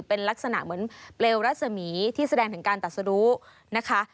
เป็นลักษณะเหมือนเปลวรัศมีที่แสดงถึงการตัดสรุนะคะ